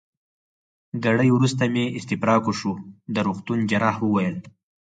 ګړی وروسته مې استفراق وشو، د روغتون جراح وویل.